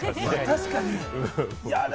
確かに。